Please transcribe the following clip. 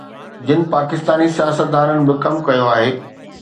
جن پاڪستاني سياستدانن به ڪم ڪيو آهي